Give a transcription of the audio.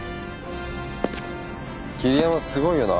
桐山すごいよな。